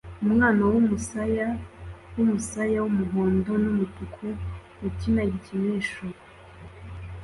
Umwana wumusaya wumusaya wumuhondo numutuku ukina igikinisho